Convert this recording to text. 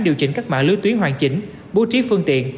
điều chỉnh các mã lưới tuyến hoàn chỉnh bố trí phương tiện